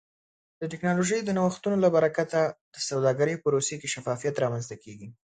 د ټکنالوژۍ د نوښتونو له برکته د سوداګرۍ پروسې کې شفافیت رامنځته کیږي.